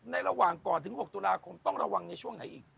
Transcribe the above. ระหว่างก่อนถึง๖ตุลาคมต้องระวังในช่วงไหนอีก